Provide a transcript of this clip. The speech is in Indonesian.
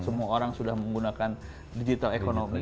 semua orang sudah menggunakan digital economy